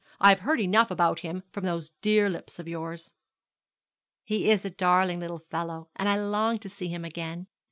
I have heard enough about him from those dear lips of yours.' 'He is a darling little fellow, and I long to see him again.